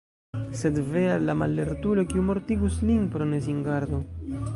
Sed ve al la mallertulo, kiu mortigus lin pro nesingardo!